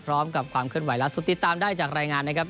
พร้อมกับความเคลื่อนไหวและสุดติดตามได้จากรายงานนะครับ